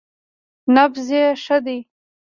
_نبض يې ښه دی.